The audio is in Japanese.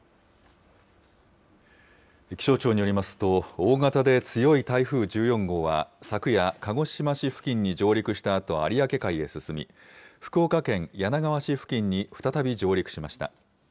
気象庁によりますと、大型で強い台風１４号は、昨夜、鹿児島市付近に上陸したあと、有明海へ進み、福岡県柳川市付近に再び上陸しました。